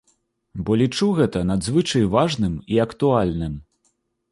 Бо лічу гэта надзвычай важным і актуальным.